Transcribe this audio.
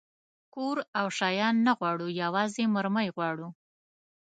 کور او نور شیان نه غواړو، یوازې مرمۍ غواړو.